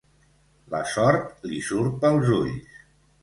La sort li surt pels ulls.